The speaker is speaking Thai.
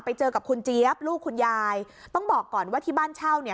ไปเจอกับคุณเจี๊ยบลูกคุณยายต้องบอกก่อนว่าที่บ้านเช่าเนี่ย